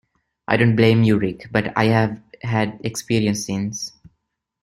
I don't blame you, Rick, but I have had experience since.